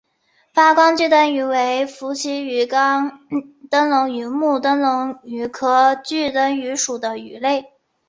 发光炬灯鱼为辐鳍鱼纲灯笼鱼目灯笼鱼科炬灯鱼属的鱼类。